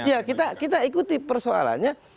iya kita ikuti persoalannya